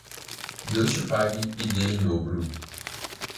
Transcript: Deus te pague e dê em dobro